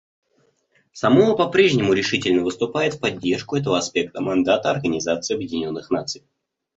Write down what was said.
Самоа по-прежнему решительно выступает в поддержку этого аспекта мандата Организации Объединенных Наций.